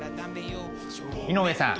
井上さん